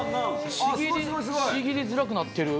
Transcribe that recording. ちぎりづらくなってる。